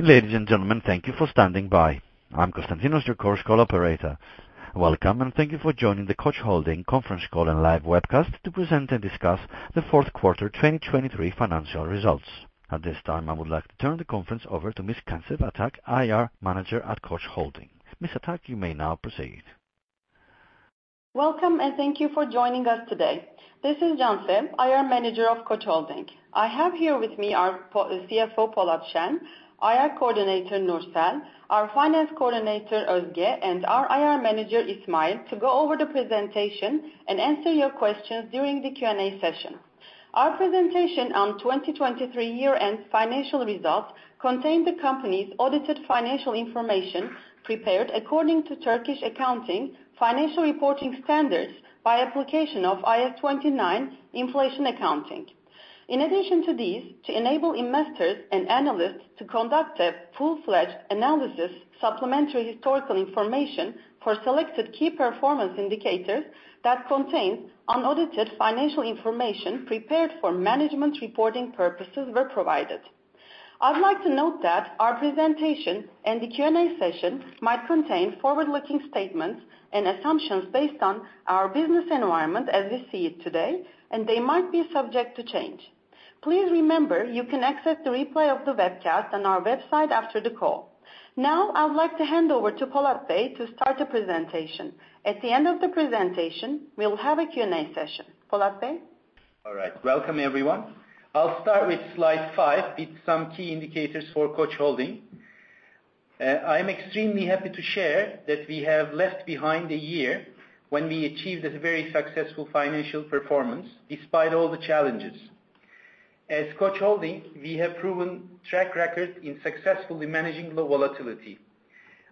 Ladies and gentlemen, thank you for standing by. I'm Konstantinos, your conference call operator. Welcome, and thank you for joining the Koç Holding conference call and live webcast to present and discuss the Q4 2023 financial results. At this time, I would like to turn the conference over to Ms. Cansev Atak, IR Manager at Koç Holding. Ms. Atak, you may now proceed. Welcome, and thank you for joining us This is Cansev Atak, ir Manager of Koç Holding. I have here with me our CFO, Polat Şen, IR Coordinator, Nursel, our Finance Coordinator, Özge, and our IR Manager, İsmail, to go over the presentation and answer your questions during the Q&A session. Our presentation on 2023 year-end financial results contains the company's audited financial information prepared according to Turkish accounting financial reporting standards by application of IAS 29 inflation accounting. In addition to these, to enable investors and analysts to conduct a full-fledged analysis, supplementary historical information for selected key performance indicators that contains unaudited financial information prepared for management reporting purposes were provided. I'd like to note that our presentation and the Q&A session might contain forward-looking statements and assumptions based on our business environment as we see it today, and they might be subject to change. Please remember, you can access the replay of the webcast on our website after the call. Now, I would like to hand over to Polat Şen to start the presentation. At the end of the presentation, we'll have a Q&A session. Polat Şen? All right. Welcome, everyone. I'll start with slide five. It's some key indicators for Koç Holding. I'm extremely happy to share that we have left behind a year when we achieved a very successful financial performance despite all the challenges. As Koç Holding, we have proven track record in successfully managing low volatility.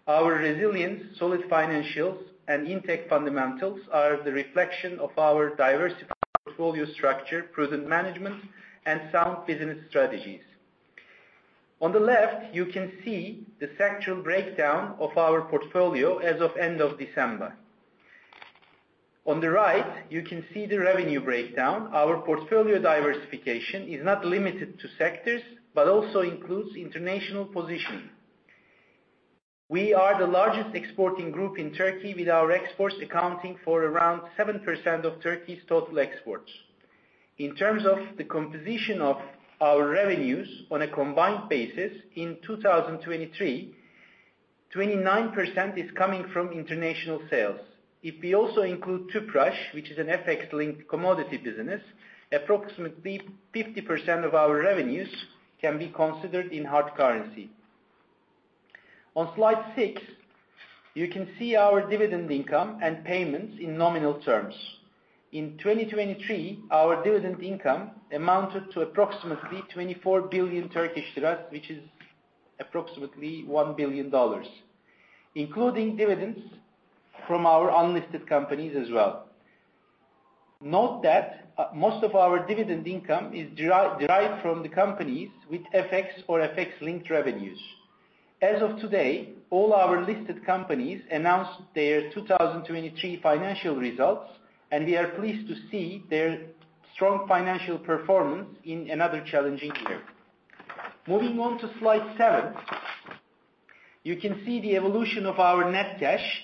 Our resilience, solid financials, and intact fundamentals are the reflection of our diversified portfolio structure, prudent management, and sound business strategies. On the left, you can see the sectoral breakdown of our portfolio as of end of December. On the right, you can see the revenue breakdown. Our portfolio diversification is not limited to sectors but also includes international positioning. We are the largest exporting group in Turkey, with our exports accounting for around 7% of Turkey's total exports. In terms of the composition of our revenues on a combined basis in 2023, 29% is coming from international sales. If we also include Tüpraş, which is an FX-linked commodity business, approximately 50% of our revenues can be considered in hard currency. On slide six, you can see our dividend income and payments in nominal terms. In 2023, our dividend income amounted to approximately 24 billion Turkish lira, which is approximately $1 billion, including dividends from our unlisted companies as well. Note that most of our dividend income is derived from the companies with FX or FX-linked revenues. As of today, all our listed companies announced their 2023 financial results, and we are pleased to see their strong financial performance in another challenging year. Moving on to slide seven, you can see the evolution of our net cash.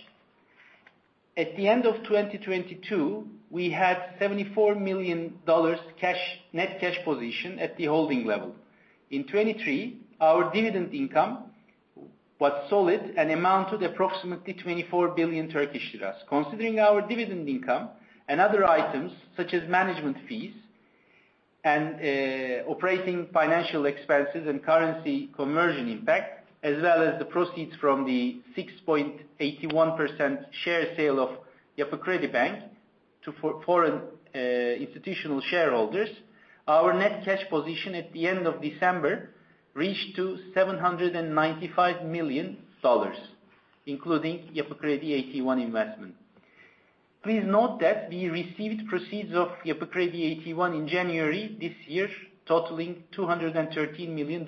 At the end of 2022, we had $74 million net cash position at the holding level. In 2023, our dividend income was solid and amounted to approximately 24 billion Turkish lira. Considering our dividend income, other items such as management fees and operating financial expenses and currency conversion impact, as well as the proceeds from the 6.81% share sale of Yapı Kredi Bank to foreign institutional shareholders, our net cash position at the end of December reached $795 million, including Yapı Kredi AT1 investment. Please note that we received proceeds of Yapı Kredi AT1 in January this year, totaling $213 million,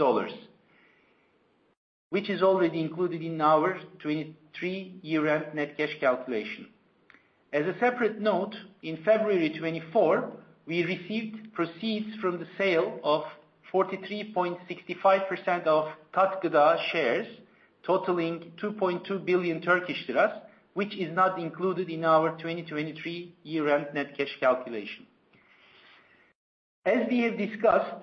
which is already included in our 2023 year-end net cash calculation. As a separate note, in February 2024, we received proceeds from the sale of 43.65% of Tat Gıda shares, totaling 2.2 billion Turkish lira, which is not included in our 2023 year-end net cash calculation. As we have discussed,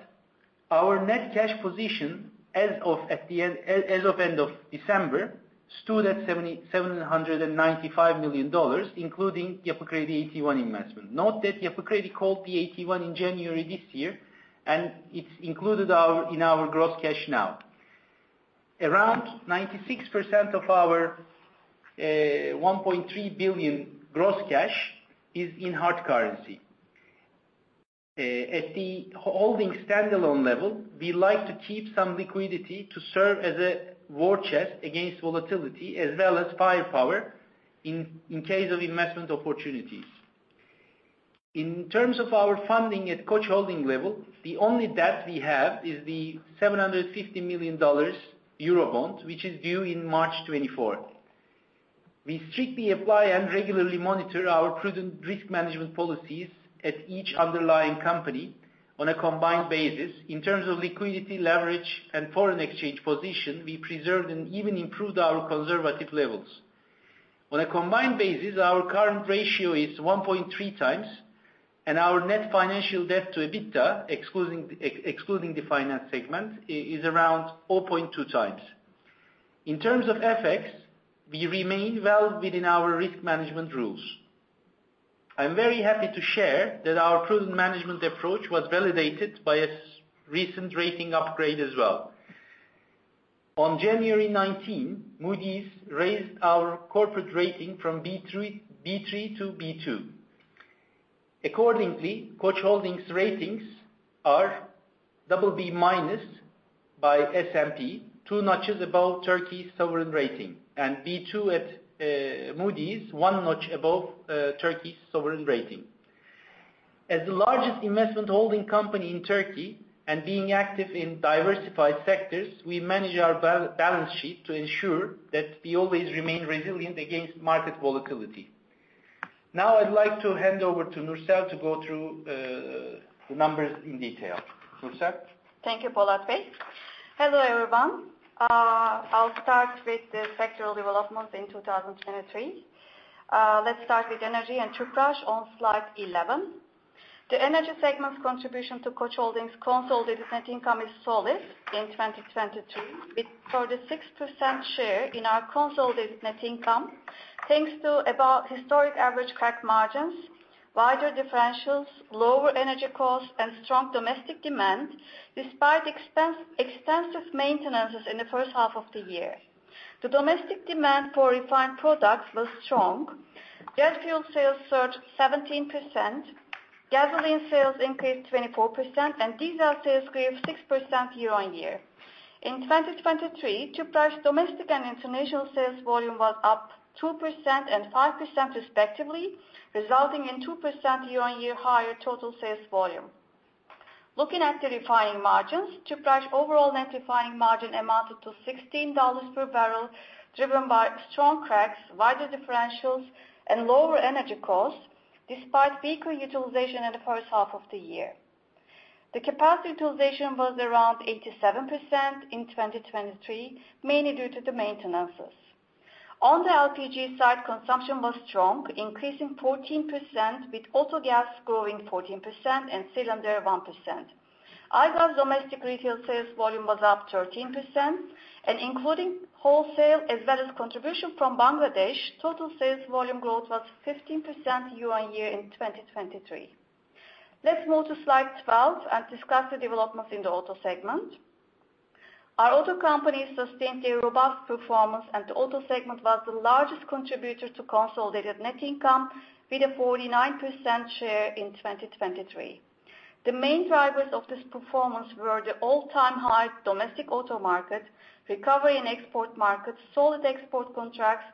our net cash position as of the end of December stood at $795 million, including Yapı Kredi AT1 investment. Note that Yapı Kredi called the AT1 in January this year, and it's included in our gross cash now. Around 96% of our $1.3 billion gross cash is in hard currency. At the holding standalone level, we like to keep some liquidity to serve as a war chest against volatility as well as firepower in case of investment opportunities. In terms of our funding at Koç Holding level, the only debt we have is the $750 million Eurobond, which is due in March 2024. We strictly apply and regularly monitor our prudent risk management policies at each underlying company on a combined basis. In terms of liquidity, leverage, and foreign exchange position, we preserved and even improved our conservative levels. On a combined basis, our current ratio is 1.3 times, and our net financial debt to EBITDA, excluding the finance segment, is around 0.2 times. In terms of FX, we remain well within our risk management rules. I'm very happy to share that our prudent management approach was validated by a recent rating upgrade as well. On January 19, Moody's raised our corporate rating from B3 to B2. Accordingly, Koç Holding's ratings are BB minus by S&P, two notches above Turkey's sovereign rating, and B2 at Moody's, one notch above Turkey's sovereign rating. As the largest investment holding company in Turkey and being active in diversified sectors, we manage our balance sheet to ensure that we always remain resilient against market volatility. Now, I'd like to hand over to Nursel to go through the numbers in detail. Nursel? Thank you, Polat Şen. Hello, everyone. I'll start with the sectoral developments in 2023. Let's start with energy and Tüpraş on slide 11. The energy segment's contribution to Koç Holding's consolidated net income is solid in 2023 with 36% share in our consolidated net income, thanks to about historic average crack margins, wider differentials, lower energy costs, and strong domestic demand, despite extensive maintenances in the first half of the year. The domestic demand for refined products was strong. Gas fuel sales surged 17%, gasoline sales increased 24%, and diesel sales grew 6% year-on-year. In 2023, Tüpraş's domestic and international sales volume was up 2% and 5% respectively, resulting in 2% year-on-year higher total sales volume. Looking at the refining margins, Tüpraş's overall net refining margin amounted to $16 per barrel, driven by strong Cracks, wider differentials, and lower energy costs, despite weaker utilization in the first half of the year. The capacity utilization was around 87% in 2023, mainly due to the maintenances. On the LPG side, consumption was strong, increasing 14%, with autogas growing 14% and cylinder 1%. Aygaz domestic retail sales volume was up 13%, and including wholesale as well as contribution from Bangladesh, total sales volume growth was 15% year-on-year in 2023. Let's move to slide 12 and discuss the developments in the auto segment. Our auto companies sustained a robust performance, and the auto segment was the largest contributor to consolidated net income, with a 49% share in 2023. The main drivers of this performance were the all-time high domestic auto market, recovery in export markets, solid export contracts,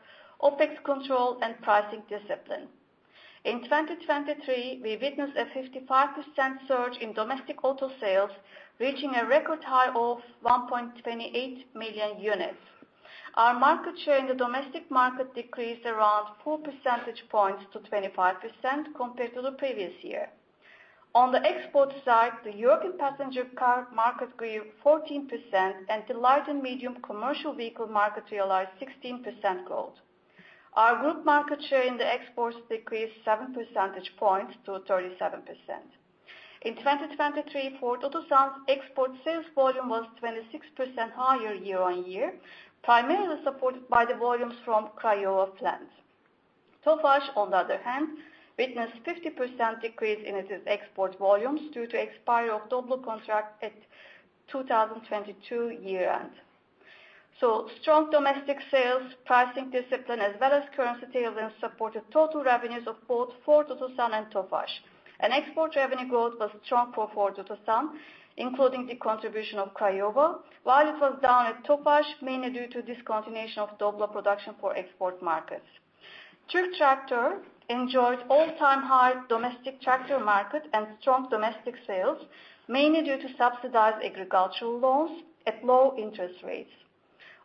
OpEx control, and pricing discipline. In 2023, we witnessed a 55% surge in domestic auto sales, reaching a record high of 1.28 million units. Our market share in the domestic market decreased around 4 percentage points to 25% compared to the previous year. On the export side, the European passenger car market grew 14%, and the light and medium commercial vehicle market realized 16% growth. Our group market share in the exports decreased 7 percentage points to 37%. In 2023, Ford Otosan's export sales volume was 26% higher year-on-year, primarily supported by the volumes from Craiova plant. Tofaş, on the other hand, witnessed a 50% decrease in its export volumes due to the expiry of Doblo contracts at 2022 year-end. Strong domestic sales, pricing discipline, as well as currency tailwinds supported total revenues of both Ford Otosan and Tofaş. And export revenue growth was strong for Ford Otosan, including the contribution of Craiova, while it was down at Tofaş, mainly due to discontinuation of Doblo production for export markets. Türk Traktör enjoyed all-time high domestic tractor market and strong domestic sales, mainly due to subsidized agricultural loans at low interest rates.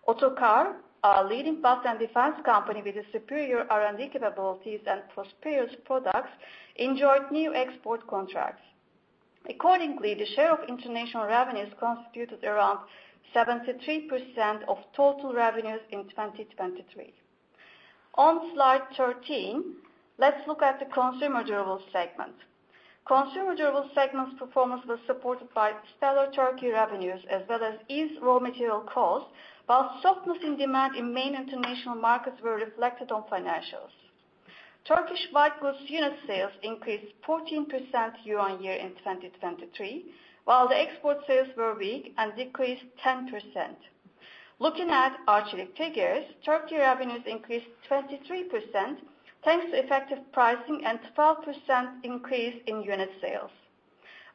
Otokar, a leading bus and defense company with superior R&D capabilities and proprietary products, enjoyed new export contracts. Accordingly, the share of international revenues constituted around 73% of total revenues in 2023. On slide 13, let's look at the consumer durable segment. Consumer durable segment's performance was supported by stellar Turkey revenues as well as ease raw material costs, while softness in demand in main international markets was reflected on financials. Turkish white goods unit sales increased 14% year-on-year in 2023, while the export sales were weak and decreased 10%. Looking at Arçelik figures, Turkey revenues increased 23% thanks to effective pricing and a 12% increase in unit sales.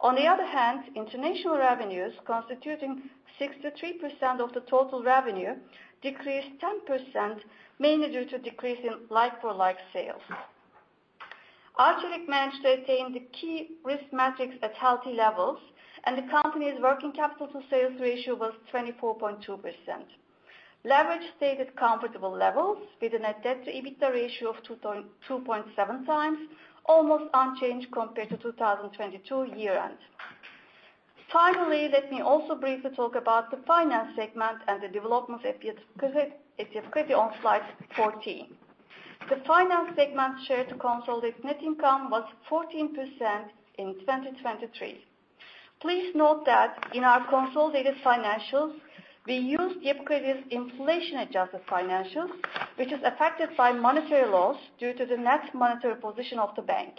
On the other hand, international revenues, constituting 63% of the total revenue, decreased 10%, mainly due to a decrease in like-for-like sales. Arçelik managed to attain the key risk metrics at healthy levels, and the company's working capital to sales ratio was 24.2%. Leverage stayed at comfortable levels, with a net debt to EBITDA ratio of 2.7 times, almost unchanged compared to 2022 year-end. Finally, let me also briefly talk about the finance segment and the developments at Yapı Kredi on slide 14. The finance segment share to consolidated net income was 14% in 2023. Please note that in our consolidated financials, we used Yapı Kredi's inflation-adjusted financials, which is affected by monetary loss due to the net monetary position of the bank.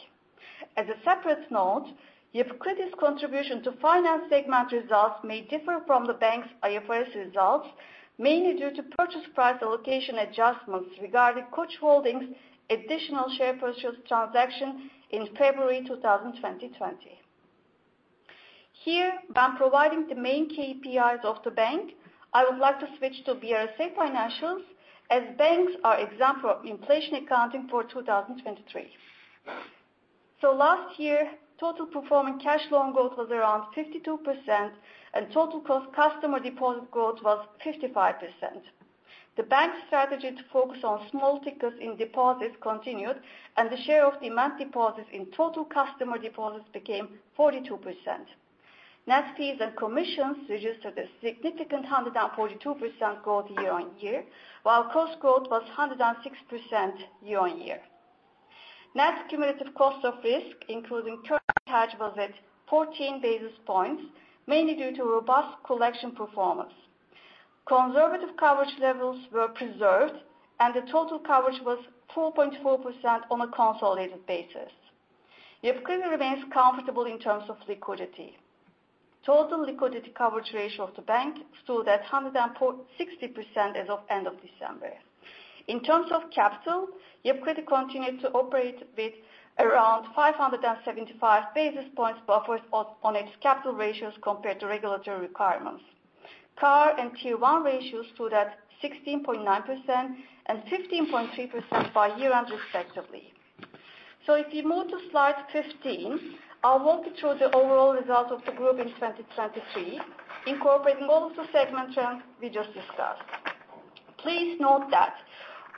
As a separate note, Yapı Kredi's contribution to finance segment results may differ from the bank's IFRS results, mainly due to purchase price allocation adjustments regarding Koç Holding's additional share purchase transaction in February 2020. Here, when providing the main KPIs of the bank, I would like to switch to BRSA financials, as banks are exempt from inflation accounting for 2023. So last year, total performing cash loan growth was around 52%, and total customer deposit growth was 55%. The bank's strategy to focus on small tickets in deposits continued, and the share of demand deposits in total customer deposits became 42%. Net fees and commissions reached at a significant 142% growth year-on-year, while cost growth was 106% year-on-year. Net cumulative cost of risk, including currency hedge, was at 14 basis points, mainly due to robust collection performance. Conservative coverage levels were preserved, and the total coverage was 4.4% on a consolidated basis. Yapı Kredi remains comfortable in terms of liquidity. Total liquidity coverage ratio of the bank stood at 160% as of end of December. In terms of capital, Yapı Kredi continued to operate with around 575 basis points buffered on its capital ratios compared to regulatory requirements. CAR and Tier 1 ratios stood at 16.9% and 15.3% by year-end, respectively. So if we move to slide 15, I'll walk you through the overall result of the group in 2023, incorporating all of the segment trends we just discussed. Please note that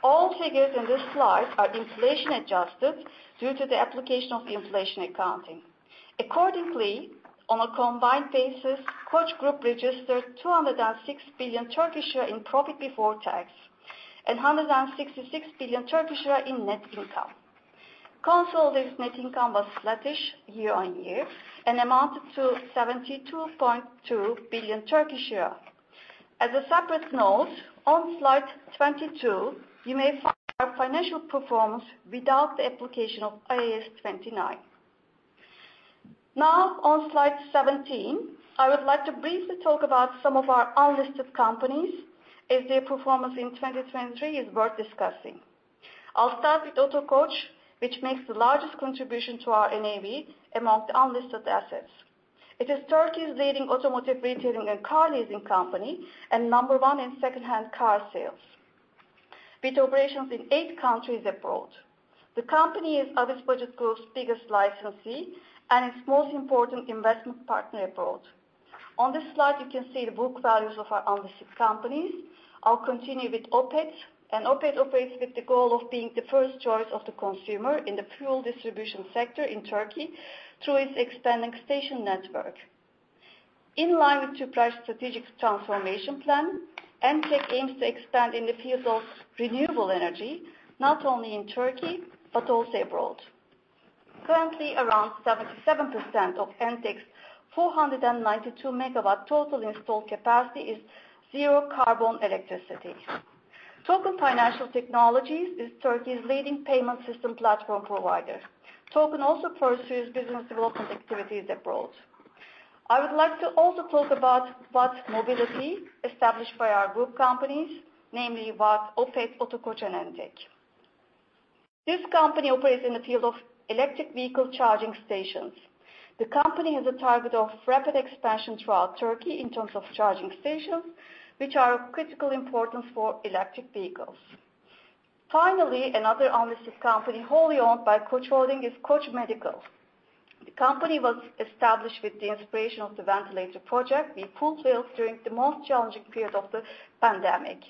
all figures in this slide are inflation-adjusted due to the application of inflation accounting. Accordingly, on a combined basis, Koç Group registered 206 billion Turkish lira in profit before tax and 166 billion Turkish lira in net income. Consolidated net income was sluggish year-on-year and amounted to 72.2 billion TRY. As a separate note, on slide 22, you may find our financial performance without the application of IAS 29. Now, on slide 17, I would like to briefly talk about some of our unlisted companies as their performance in 2023 is worth discussing. I'll start with Otokoç, which makes the largest contribution to our NAV among the unlisted assets. It is Turkey's leading automotive retailing and car leasing company and number one in second-hand car sales, with operations in eight countries abroad. The company is Avis Budget Group's biggest licensee and its most important investment partner abroad. On this slide, you can see the book values of our unlisted companies. I'll continue with Opet, and Opet operates with the goal of being the first choice of the consumer in the fuel distribution sector in Turkey through its expanding station network. In line with Tüpraş's strategic transformation plan, Entek aims to expand in the field of renewable energy, not only in Turkey but also abroad. Currently, around 77% of Entek's 492 megawatt total installed capacity is zero-carbon electricity. Token Financial Technologies is Turkey's leading payment system platform provider. Token also pursues business development activities abroad. I would like to also talk about WAT Mobility, established by our group companies, namely WAT, Opet, Otokoç, and Entek. This company operates in the field of electric vehicle charging stations. The company has a target of rapid expansion throughout Turkey in terms of charging stations, which are of critical importance for electric vehicles. Finally, another unlisted company wholly owned by Koç Holding is Koç Medical. The company was established with the inspiration of the ventilator project we fulfilled during the most challenging period of the pandemic.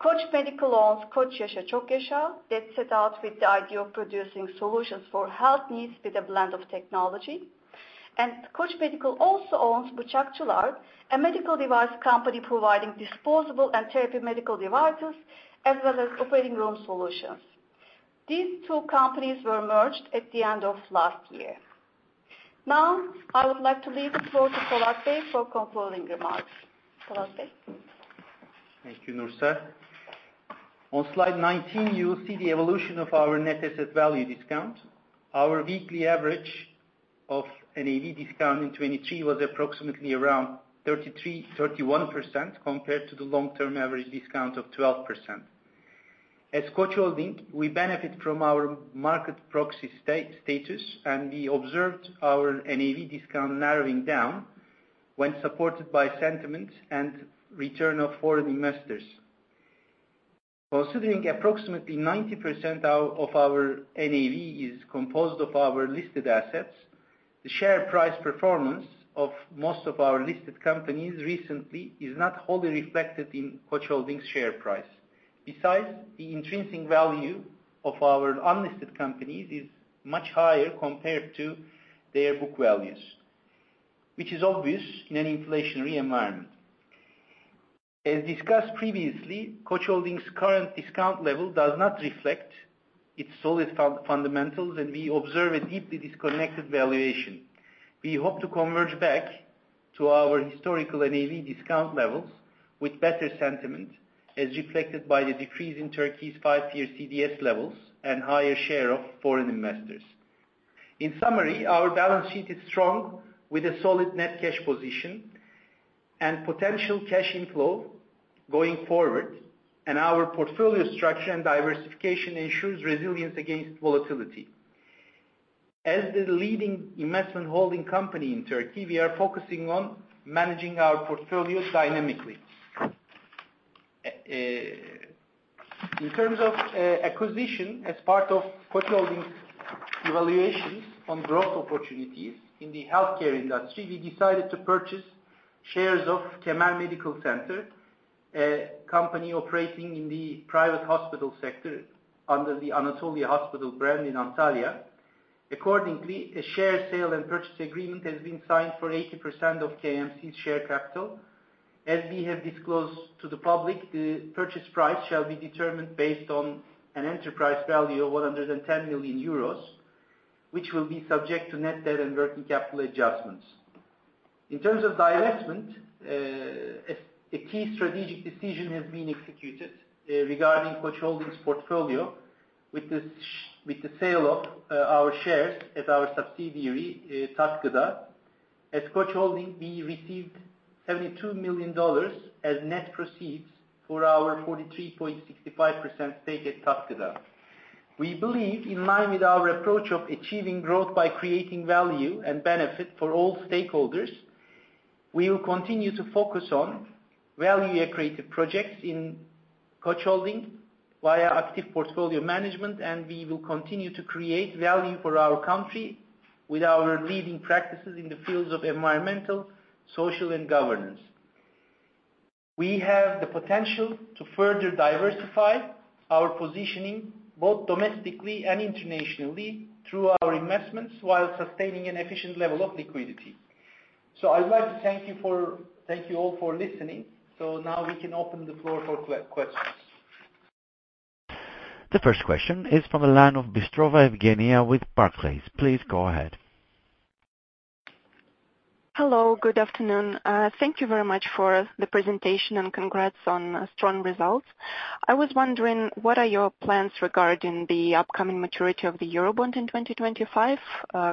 Koç Yaşa Çok Yaşa, that set out with the idea of producing solutions for health needs with a blend of technology. And Koç Medical also owns Bıçakçılar, a medical device company providing disposable and therapy medical devices, as well as operating room solutions. These two companies were merged at the end of last year. Now, I would like to leave the floor to Polat Şen for concluding remarks. Polat Şen. Thank you, Nursel. On slide 19, you'll see the evolution of our net asset value discount. Our weekly average of NAV discount in 2023 was approximately around 31% compared to the long-term average discount of 12%. As Koç Holding, we benefit from our market proxy status, and we observed our NAV discount narrowing down when supported by sentiment and return of foreign investors. Considering approximately 90% of our NAV is composed of our listed assets, the share price performance of most of our listed companies recently is not wholly reflected in Koç Holding's share price. Besides, the intrinsic value of our unlisted companies is much higher compared to their book values, which is obvious in an inflationary environment. As discussed previously, Koç Holding's current discount level does not reflect its solid fundamentals, and we observe a deeply disconnected valuation. We hope to converge back to our historical NAV discount levels with better sentiment, as reflected by the decrease in Turkey's five-year CDS levels and higher share of foreign investors. In summary, our balance sheet is strong with a solid net cash position and potential cash inflow going forward, and our portfolio structure and diversification ensures resilience against volatility. As the leading investment holding company in Turkey, we are focusing on managing our portfolio dynamically. In terms of acquisition, as part of Koç Holding's evaluations on growth opportunities in the healthcare industry, we decided to purchase shares of Kemer Medical Center, a company operating in the private hospital sector under the Anatolia Hospital brand in Antalya. Accordingly, a share sale and purchase agreement has been signed for 80% of KMC's share capital. As we have disclosed to the public, the purchase price shall be determined based on an enterprise value of 110 million euros, which will be subject to net debt and working capital adjustments. In terms of divestment, a key strategic decision has been executed regarding Koç Holding's portfolio with the sale of our shares at our subsidiary, Tat Gıda. At Koç Holding, we received $72 million as net proceeds for our 43.65% stake at Tat Gıda. We believe, in line with our approach of achieving growth by creating value and benefit for all stakeholders, we will continue to focus on value-accretive projects in Koç Holding via active portfolio management, and we will continue to create value for our country with our leading practices in the fields of environmental, social, and governance. We have the potential to further diversify our positioning both domestically and internationally through our investments while sustaining an efficient level of liquidity. So I'd like to thank you all for listening. So now we can open the floor for questions. The first question is from Evgenia Bystrova with Barclays. Please go ahead. Hello. Good afternoon. Thank you very much for the presentation and congrats on strong results. I was wondering, what are your plans regarding the upcoming maturity of the Eurobond in 2025?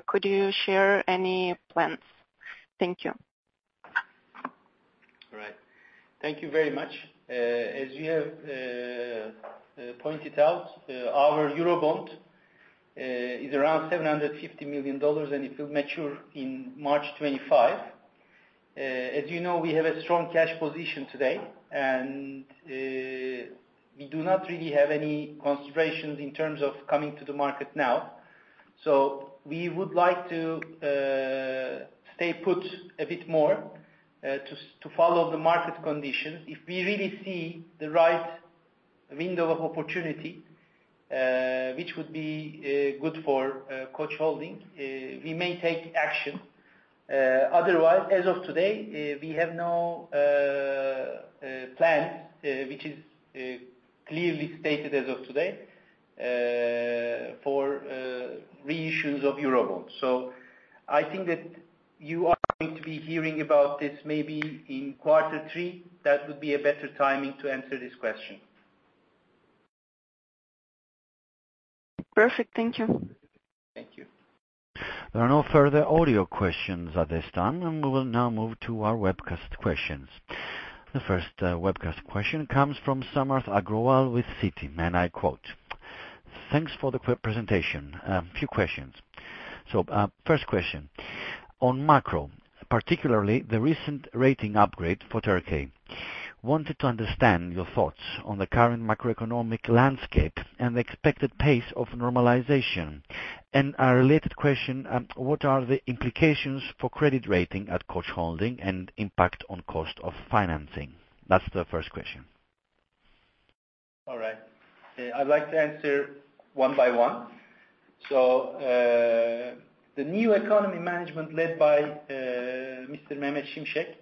Could you share any plans? Thank you. All right. Thank you very much. As you have pointed out, our Eurobond is around $750 million, and it will mature in March 2025. As you know, we have a strong cash position today, and we do not really have any considerations in terms of coming to the market now. So we would like to stay put a bit more to follow the market conditions. If we really see the right window of opportunity, which would be good for Koç Holding, we may take action. Otherwise, as of today, we have no plans, which is clearly stated as of today, for reissues of Eurobond. So I think that you are going to be hearing about this maybe in quarter three. That would be a better timing to answer this question. Perfect. Thank you. Thank you. There are no further audio questions at this time, and we will now move to our webcast questions. The first webcast question comes from Samarth Agrawal with Citi, and I quote, "Thanks for the quick presentation. A few questions." So first question, on macro, particularly the recent rating upgrade for Turkey. Wanted to understand your thoughts on the current macroeconomic landscape and the expected pace of normalization. And a related question, what are the implications for credit rating at Koç Holding and impact on cost of financing? That's the first question. All right. I'd like to answer one by one. So the new economy management led by Mr. Mehmet Şimşek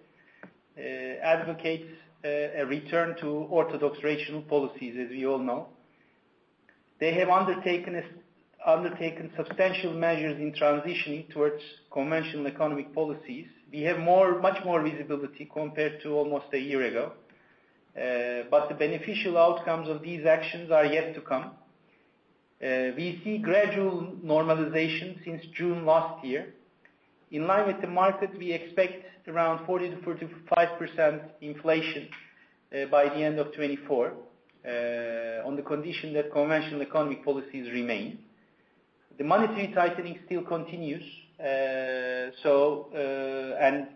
advocates a return to orthodox rational policies, as we all know. They have undertaken substantial measures in transitioning towards conventional economic policies. We have much more visibility compared to almost a year ago, but the beneficial outcomes of these actions are yet to come. We see gradual normalization since June last year. In line with the market, we expect around 40%-45% inflation by the end of 2024 on the condition that conventional economic policies remain. The monetary tightening still continues, and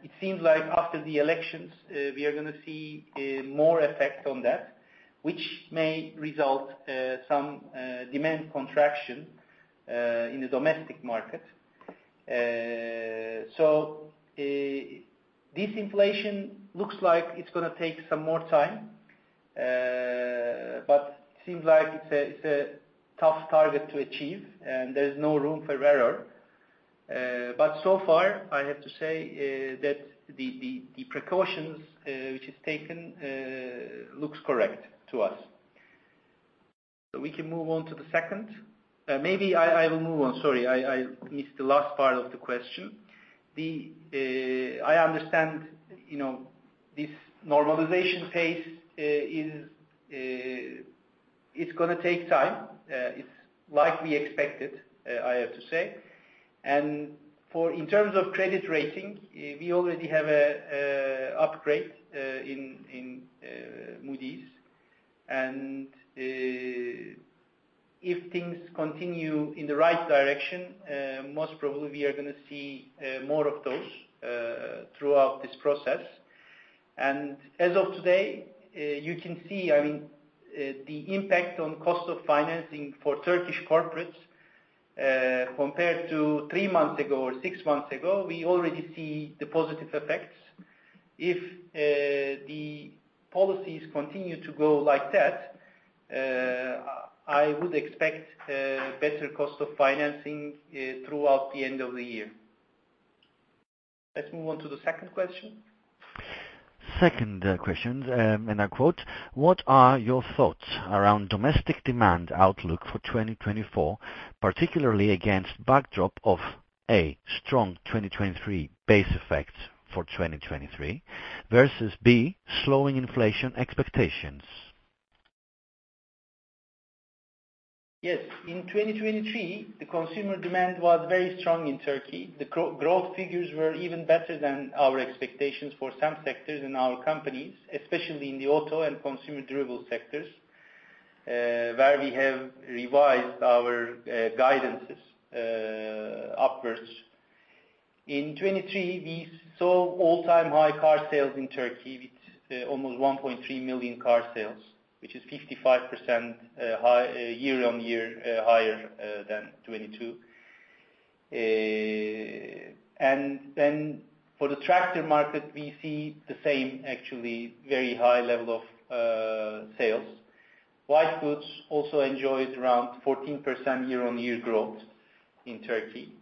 it seems like after the elections, we are going to see more effect on that, which may result in some demand contraction in the domestic market. So this inflation looks like it's going to take some more time, but it seems like it's a tough target to achieve, and there's no room for error. But so far, I have to say that the precautions which is taken look correct to us. So we can move on to the second. Maybe I will move on. Sorry, I missed the last part of the question. I understand this normalization phase is going to take time. It's like we expected, I have to say. And in terms of credit rating, we already have an upgrade in Moody's. And if things continue in the right direction, most probably we are going to see more of those throughout this process. As of today, you can see, I mean, the impact on cost of financing for Turkish corporates compared to three months ago or six months ago, we already see the positive effects. If the policies continue to go like that, I would expect better cost of financing throughout the end of the year. Let's move on to the second question. Second question, and I quote, "What are your thoughts around domestic demand outlook for 2024, particularly against backdrop of, A, strong 2023 base effects for 2023 versus B, slowing inflation expectations? Yes. In 2023, the consumer demand was very strong in Turkey. The growth figures were even better than our expectations for some sectors in our companies, especially in the auto and consumer durable sectors, where we have revised our guidances upwards. In 2023, we saw all-time high car sales in Turkey with almost 1.3 million car sales, which is 55% year-on-year higher than 2022, and then for the tractor market, we see the same, actually, very high level of sales. White goods also enjoyed around 14% year-on-year growth in Turkey.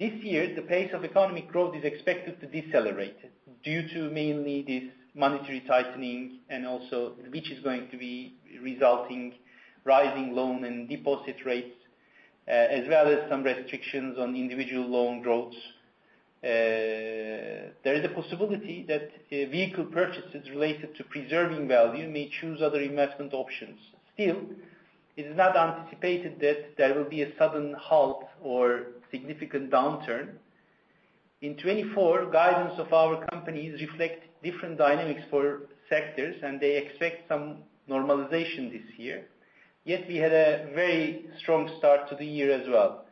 This year, the pace of economic growth is expected to decelerate due to mainly this monetary tightening, which is going to be resulting in rising loan and deposit rates, as well as some restrictions on individual loan growth. There is a possibility that vehicle purchases related to preserving value may choose other investment options. Still, it is not anticipated that there will be a sudden halt or significant downturn. In 2024, guidance of our companies reflects different dynamics for sectors, and they expect some normalization this year. Yet we had a very strong start to the year as well.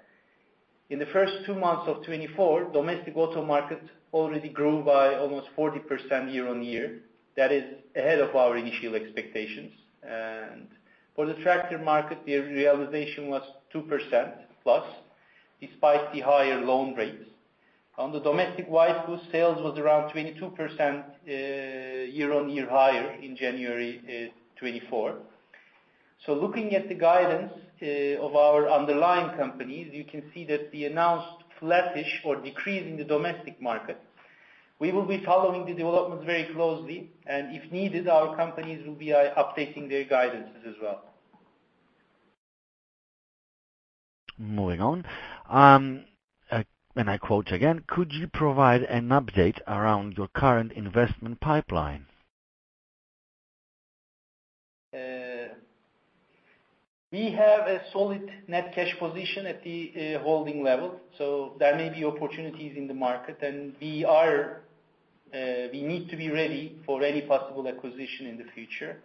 In the first two months of 2024, domestic auto market already grew by almost 40% year-on-year. That is ahead of our initial expectations. And for the tractor market, the realization was 2% plus, despite the higher loan rates. On the domestic white goods, sales was around 22% year-on-year higher in January 2024. So looking at the guidance of our underlying companies, you can see that the announced flattish or decrease in the domestic market. We will be following the developments very closely, and if needed, our companies will be updating their guidances as well. Moving on, and I quote again, "Could you provide an update around your current investment pipeline? We have a solid net cash position at the holding level, so there may be opportunities in the market, and we need to be ready for any possible acquisition in the future.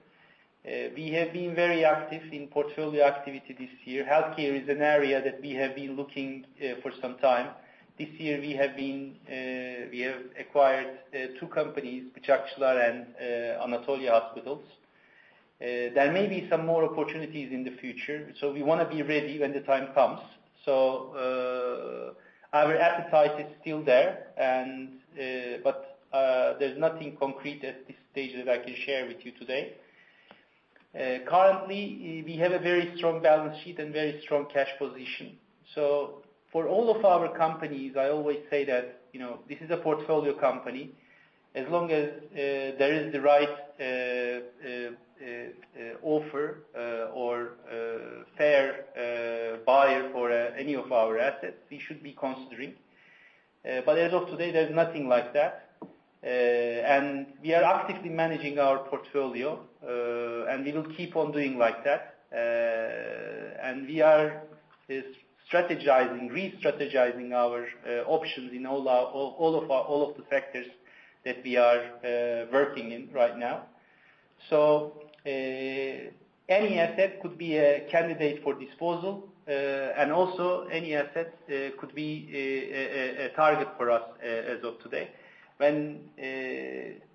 We have been very active in portfolio activity this year. Healthcare is an area that we have been looking for some time. This year, we have acquired two companies, Bıçakçılar and Anatolia Hospitals. There may be some more opportunities in the future, so we want to be ready when the time comes. So our appetite is still there, but there's nothing concrete at this stage that I can share with you today. Currently, we have a very strong balance sheet and very strong cash position. So for all of our companies, I always say that this is a portfolio company. As long as there is the right offer or fair buyer for any of our assets, we should be considering, but as of today, there's nothing like that, and we are actively managing our portfolio, and we will keep on doing like that, and we are strategizing, restrategizing our options in all of the sectors that we are working in right now, so any asset could be a candidate for disposal, and also any asset could be a target for us as of today. When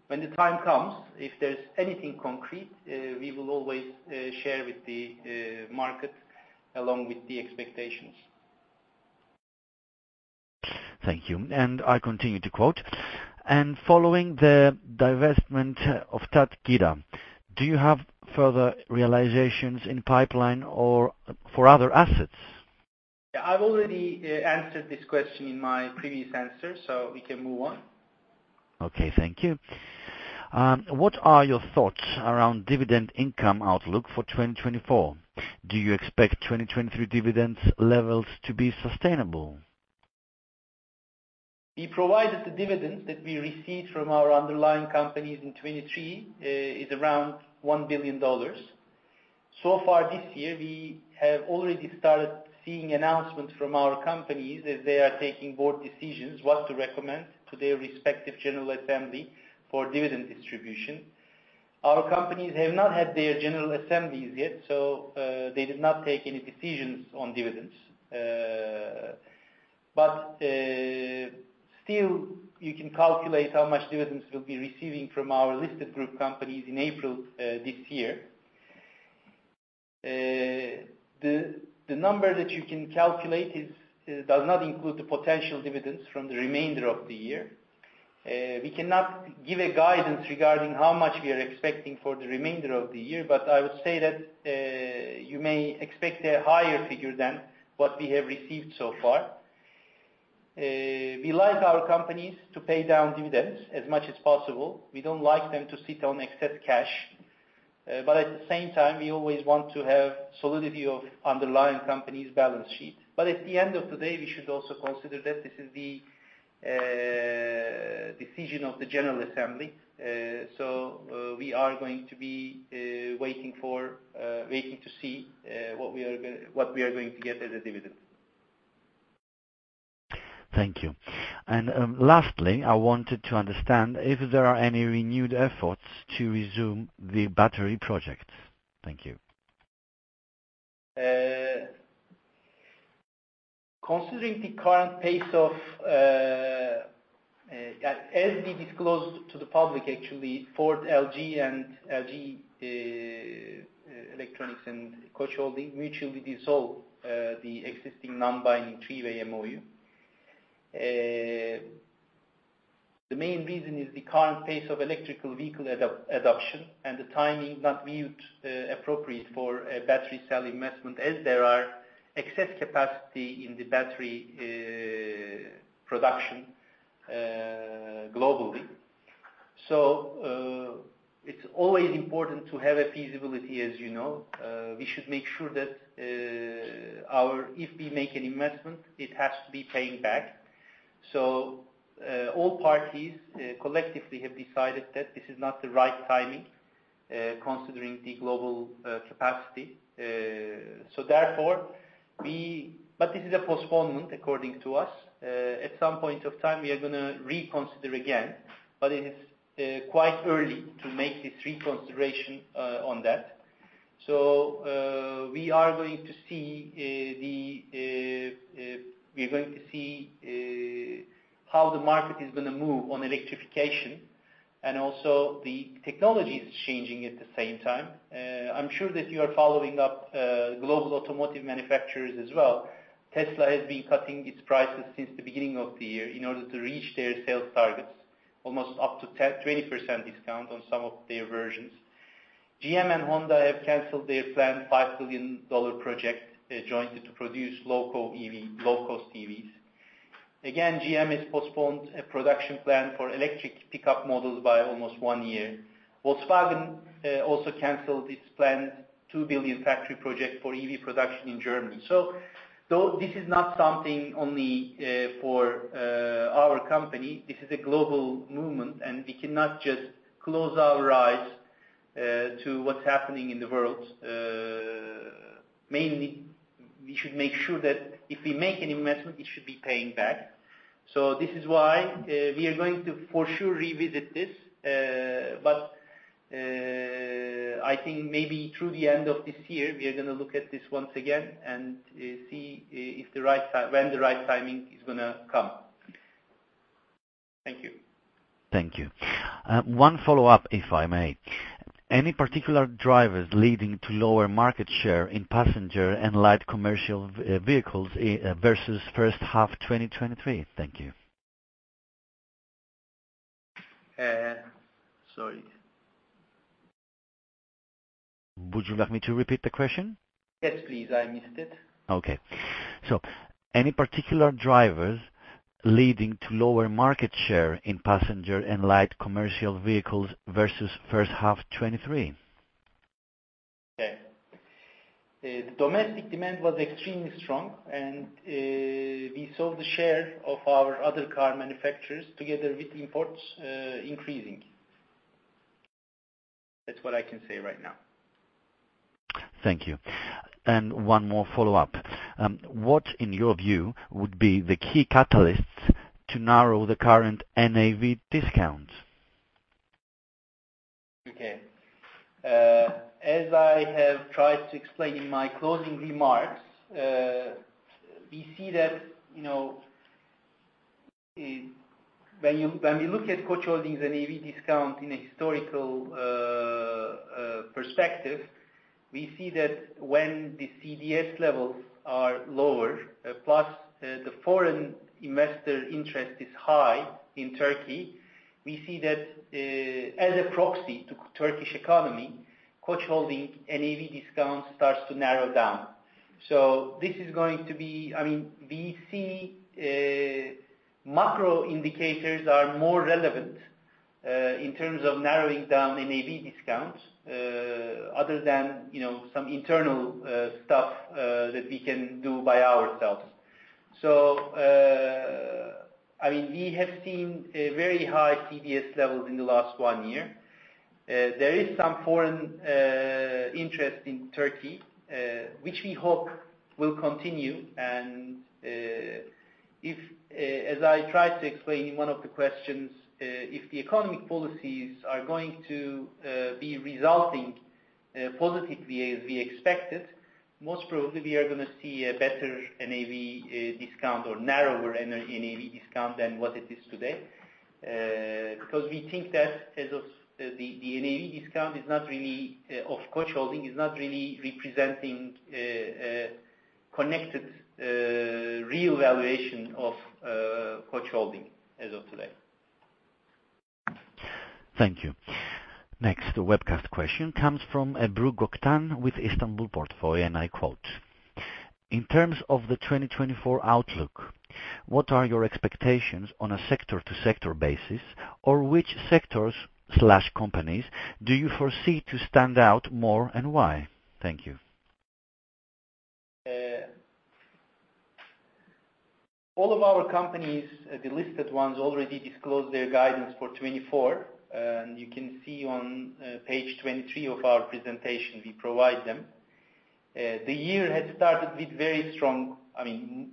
the time comes, if there's anything concrete, we will always share with the market along with the expectations. Thank you. And I continue to quote, "And following the divestment of Tat Gıda, do you have further realizations in pipeline or for other assets? Yeah. I've already answered this question in my previous answer, so we can move on. Okay. Thank you. What are your thoughts around dividend income outlook for 2024? Do you expect 2023 dividend levels to be sustainable? We provided the dividend that we received from our underlying companies in 2023 is around $1 billion. So far this year, we have already started seeing announcements from our companies as they are taking board decisions what to recommend to their respective general assembly for dividend distribution. Our companies have not had their general assemblies yet, so they did not take any decisions on dividends. But still, you can calculate how much dividends we'll be receiving from our listed group companies in April this year. The number that you can calculate does not include the potential dividends from the remainder of the year. We cannot give a guidance regarding how much we are expecting for the remainder of the year, but I would say that you may expect a higher figure than what we have received so far. We like our companies to pay down dividends as much as possible. We don't like them to sit on excess cash. But at the same time, we always want to have solidity of underlying companies' balance sheets. But at the end of the day, we should also consider that this is the decision of the general assembly. So we are going to be waiting to see what we are going to get as a dividend. Thank you. And lastly, I wanted to understand if there are any renewed efforts to resume the battery project. Thank you. Considering the current pace of, as we disclosed to the public, actually, Ford, LG, and LG Electronics and Koç Holding mutually dissolved the existing non-binding three-way MOU. The main reason is the current pace of electric vehicle adoption and the timing not viewed appropriate for battery cell investment as there are excess capacity in the battery production globally. So it's always important to have a feasibility, as you know. We should make sure that if we make an investment, it has to be paying back. So all parties collectively have decided that this is not the right timing considering the global capacity. So therefore, but this is a postponement according to us. At some point of time, we are going to reconsider again, but it is quite early to make this reconsideration on that. We are going to see how the market is going to move on electrification and also the technologies changing at the same time. I'm sure that you are following up global automotive manufacturers as well. Tesla has been cutting its prices since the beginning of the year in order to reach their sales targets, almost up to 20% discount on some of their versions. GM and Honda have canceled their planned $5 billion project jointly to produce low-cost EVs. Again, GM has postponed a production plan for electric pickup models by almost one year. Volkswagen also canceled its planned $2 billion factory project for EV production in Germany. This is not something only for our company. This is a global movement, and we cannot just close our eyes to what's happening in the world. Mainly, we should make sure that if we make an investment, it should be paying back. So this is why we are going to for sure revisit this. But I think maybe through the end of this year, we are going to look at this once again and see when the right timing is going to come. Thank you. Thank you. One follow-up, if I may. Any particular drivers leading to lower market share in passenger and light commercial vehicles versus first half 2023? Thank you. Sorry. Would you like me to repeat the question? Yes, please. I missed it. Okay. So any particular drivers leading to lower market share in passenger and light commercial vehicles versus first half 2023? Okay. The domestic demand was extremely strong, and we saw the share of our other car manufacturers together with imports increasing. That's what I can say right now. Thank you. And one more follow-up. What, in your view, would be the key catalysts to narrow the current NAV discount? Okay. As I have tried to explain in my closing remarks, we see that when we look at Koç Holding's NAV discount in a historical perspective, we see that when the CDS levels are lower, plus the foreign investor interest is high in Turkey, we see that as a proxy to the Turkish economy, Koç Holding's NAV discount starts to narrow down. So this is going to be. I mean, we see macro indicators are more relevant in terms of narrowing down NAV discount other than some internal stuff that we can do by ourselves. So I mean, we have seen very high CDS levels in the last one year. There is some foreign interest in Turkey, which we hope will continue. And as I tried to explain in one of the questions, if the economic policies are going to be resulting positively as we expected, most probably we are going to see a better NAV discount or narrower NAV discount than what it is today. Because we think that the NAV discount of Koç Holding is not really representing the correct real valuation of Koç Holding as of today. Thank you. Next, the webcast question comes from Ebru Göktan with Istanbul Portfolio, and I quote, "In terms of the 2024 outlook, what are your expectations on a sector-to-sector basis, or which sectors/companies do you foresee to stand out more and why?" Thank you. All of our companies, the listed ones, already disclosed their guidance for 2024, and you can see on page 23 of our presentation. We provide them. The year has started with very strong, I mean,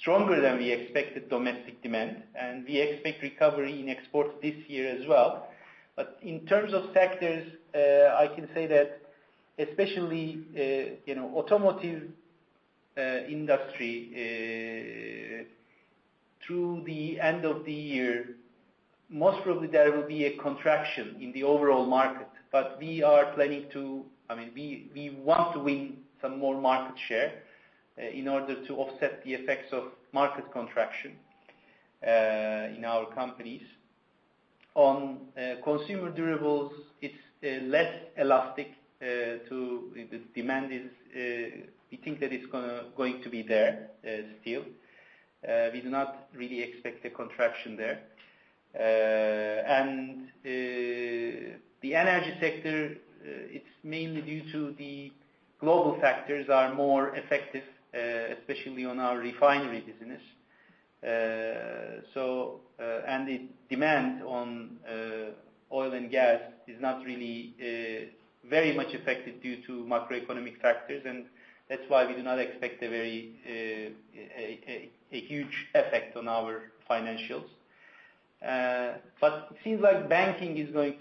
stronger than we expected domestic demand, and we expect recovery in exports this year as well, but in terms of sectors, I can say that especially the automotive industry, through the end of the year, most probably there will be a contraction in the overall market, but we are planning to, I mean, we want to win some more market share in order to offset the effects of market contraction in our companies. On consumer durables, it's less elastic to the demand is, we think that it's going to be there still. We do not really expect a contraction there. The energy sector, it's mainly due to the global factors that are more effective, especially on our refinery business. The demand on oil and gas is not really very much affected due to macroeconomic factors, and that's why we do not expect a huge effect on our financials. It seems like banking is going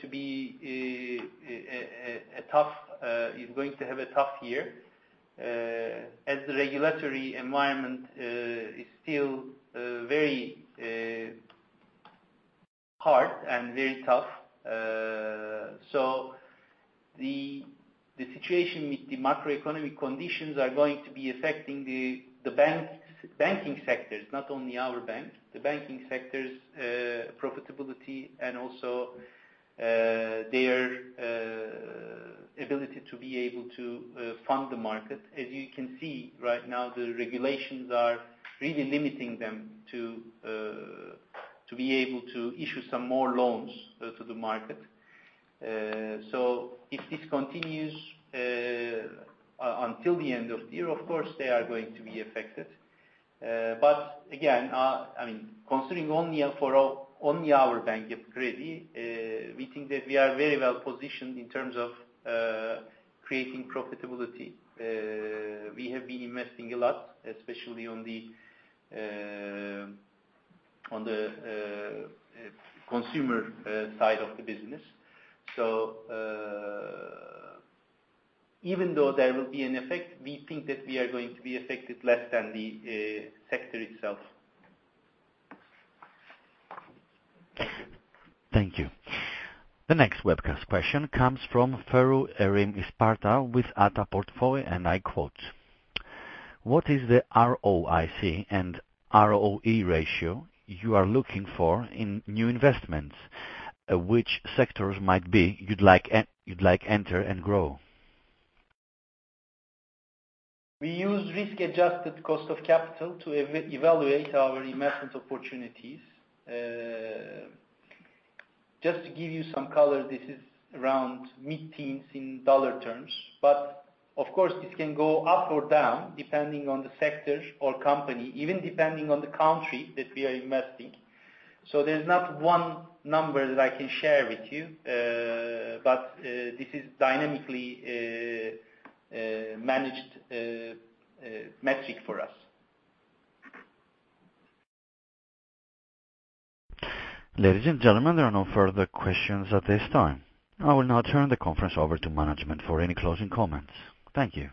to have a tough year as the regulatory environment is still very hard and very tough. The situation with the macroeconomic conditions are going to be affecting the banking sectors, not only our bank. The banking sector's profitability and also their ability to be able to fund the market. As you can see right now, the regulations are really limiting them to be able to issue some more loans to the market. So if this continues until the end of the year, of course, they are going to be affected. But again, I mean, considering only our bank credit, we think that we are very well positioned in terms of creating profitability. We have been investing a lot, especially on the consumer side of the business. So even though there will be an effect, we think that we are going to be affected less than the sector itself. Thank you. The next webcast question comes from Ferruh Erim with Ata Portfolio, and I quote, "What is the ROIC and ROE ratio you are looking for in new investments? Which sectors might you'd like to enter and grow? We use risk-adjusted cost of capital to evaluate our investment opportunities. Just to give you some color, this is around mid-teens in dollar terms. But of course, this can go up or down depending on the sector or company, even depending on the country that we are investing. So there's not one number that I can share with you, but this is a dynamically managed metric for us. Ladies and gentlemen, there are no further questions at this time. I will now turn the conference over to management for any closing comments. Thank you.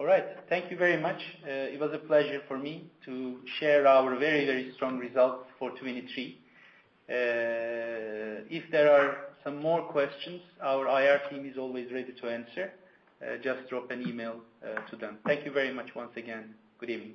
All right. Thank you very much. It was a pleasure for me to share our very, very strong results for 2023. If there are some more questions, our IR team is always ready to answer. Just drop an email to them. Thank you very much once again. Good evening.